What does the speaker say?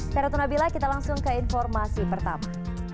dari tunabila kita langsung ke informasi pertama